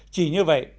chỉ như vậy